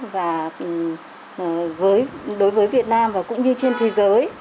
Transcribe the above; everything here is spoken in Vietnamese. và đối với việt nam và cũng như trên thế giới